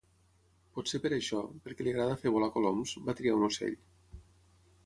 Potser per això, perquè li agrada fer volar coloms, va triar un ocell.